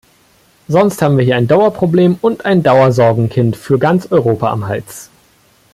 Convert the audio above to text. Sonst haben wir hier ein Dauerproblem und ein Dauersorgenkind für ganz Europa am Hals.